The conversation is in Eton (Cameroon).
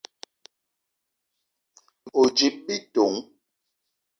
O: djip bitong.